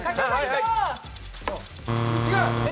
違う？